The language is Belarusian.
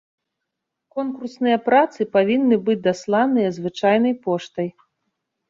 Конкурсныя працы павінны быць дасланыя звычайнай поштай.